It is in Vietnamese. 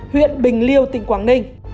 huyện bình liêu tỉnh quảng ninh